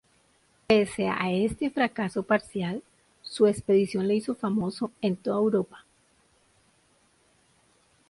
Pese a este fracaso parcial, su expedición le hizo famoso en toda Europa.